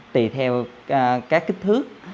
tùy theo các kích thước